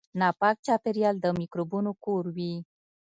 ناپاک چاپیریال د میکروبونو کور وي.